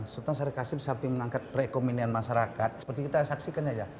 sultan syarikat hasim sabdi menangkat perekonomian masyarakat seperti kita saksikan aja